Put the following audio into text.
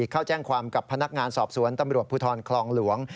เข้าแจ้งความกับพนักงานสอบสวนตำรวจภูทรคลองหลวง